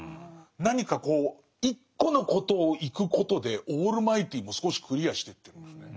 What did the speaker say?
何かこう一個のことを行くことでオールマイティも少しクリアしてってるんですね。